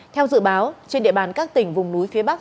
theo dự báo trên địa bàn các tỉnh vùng núi phía bắc